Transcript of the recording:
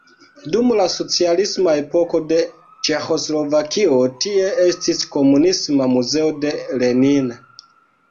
Dum la socialisma epoko de Ĉeĥoslovakio tie estis komunisma muzeo de Lenin.